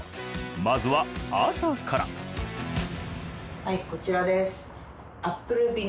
まずは朝からはいこちらです。